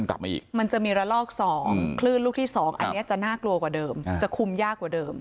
กลับมาอีกมันจะมีระลอก๒คลื่นลูกที่๒อันนี้จะน่ากลัวกว่าเดิมจะคุมยากกว่าเดิม